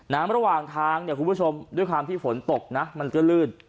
ระหว่างทางเนี่ยคุณผู้ชมด้วยความที่ฝนตกนะมันก็ลื่น